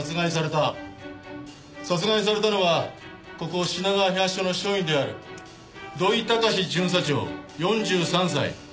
殺害されたのはここ品川東署の署員である土井崇巡査長４３歳。